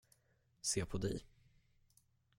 Se på dig.